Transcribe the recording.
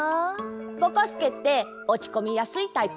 ぼこすけっておちこみやすいタイプ？